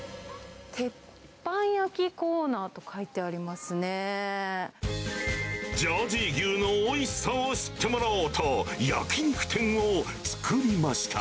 鉄板焼きコーナーと書いてあジャージー牛のおいしさを知ってもらおうと、焼き肉店を作りました。